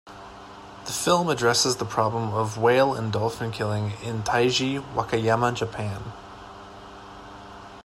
The film addresses the problem of whale and dolphin killing in Taiji, Wakayama, Japan.